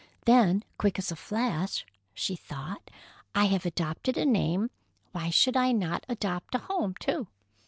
Then, quick as a flash, she thought, "I have adopted a name—why should I not adopt a home, too?